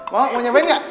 mau nyobain gak